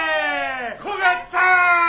古賀さん！